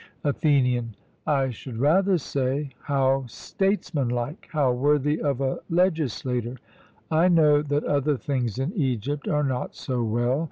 ATHENIAN: I should rather say, How statesmanlike, how worthy of a legislator! I know that other things in Egypt are not so well.